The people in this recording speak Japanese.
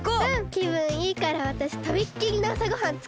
きぶんいいからわたしとびっきりのあさごはんつくってあげるね！